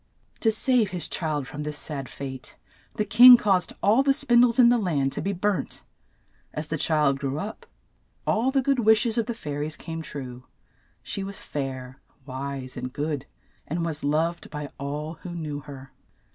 To save his child from this sad fate, the king caused all the spin dies in the land to be burnt. As the child grew up, all the good wish es of the fai ries came true ; she was fair, wise, and good, and was loved by all who knew her.